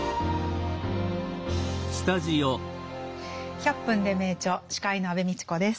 「１００分ｄｅ名著」司会の安部みちこです。